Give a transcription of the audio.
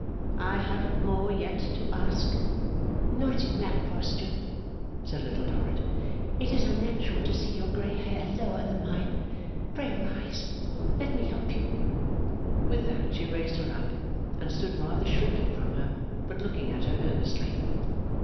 'I have more yet to ask.' 'Not in that posture,' said Little Dorrit. 'It is unnatural to see your grey hair lower than mine. Pray rise; let me help you.' With that she raised her up, and stood rather shrinking from her, but looking at her earnestly.